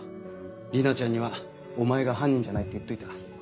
莉奈ちゃんにはお前が犯人じゃないって言っといた。